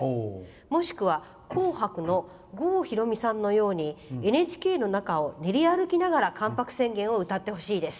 もしくは「紅白」の郷ひろみさんのようにＮＨＫの中を練り歩きながら「関白宣言」を歌ってほしいです。